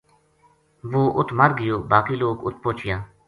وہ اُت مر گیو باقی لوک اُت پوہچیا